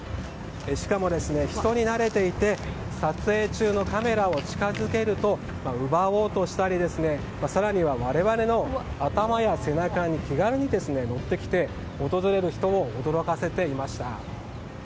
しかも、人に慣れていて撮影中のカメラを近づけると奪おうとしたり更には、我々の頭や背中に気軽に乗ってきて訪れる人を驚かせていました。